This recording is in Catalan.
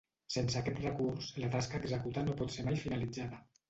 Sense aquest recurs, la tasca a executar no pot ser mai finalitzada.